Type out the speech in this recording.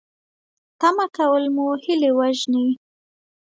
تمه کول مو هیلې وژني